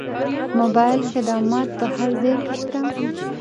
موبایل خدمات په هر ځای کې شته.